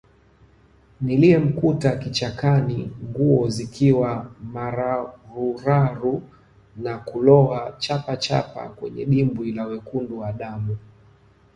niliyemkuta kichakani nguo zikiwa mararuraru na kulowa chapachapa kwenye dimbwi la wekundu wa damu